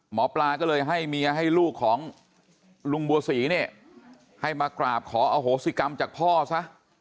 หมอปลาก็เลยให้เมียให้ลูกของลุงบัวศรีเนี่ยให้มากราบขออโหสิกรรมจากพ่อซะ